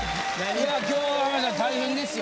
いや今日浜田さん大変ですよ。